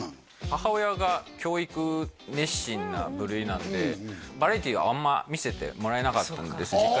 母親が教育熱心な部類なんでバラエティーをあんま見せてもらえなかったんですあ